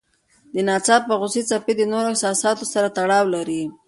د ناڅاپه غوسې څپې د نورو احساساتو سره تړاو لري.